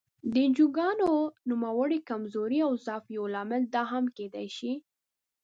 د انجوګانو د نوموړې کمزورۍ او ضعف یو لامل دا هم کېدای شي.